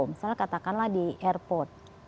misalnya katakanlah di airport